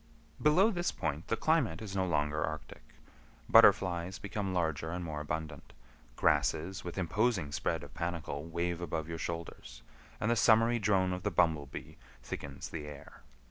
Below this point the climate is no longer arctic. Butterflies become larger and more abundant, grasses with imposing spread of panicle wave above your shoulders, and the summery drone of the bumblebee thickens the air.